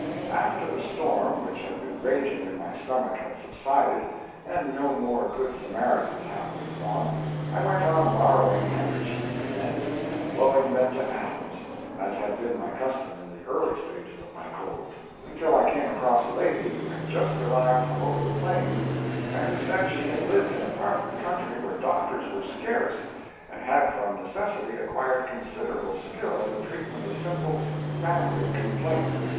After the storm which had been raging in my stomach had subsided, and no more good Samaritans happening along, I went on borrowing handkerchiefs again and blowing them to atoms, as had been my custom in the early stages of my cold, until I came across a lady who had just arrived from over the plains, and who said she had lived in a part of the country where doctors were scarce, and had from necessity acquired considerable skill in the treatment of simple "family complaints."